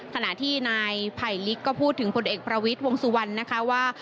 ขณะที่นายไผ่ลิกก็พูดถึงผลเอกประวิทย์วงสุวรรณนะคะว่า